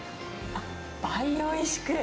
あ、倍おいしく？